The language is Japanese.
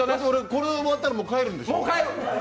これ終わったら帰るんでしょ？